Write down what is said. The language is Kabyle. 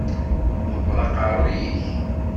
Ḍebber aqeṛṛu-k!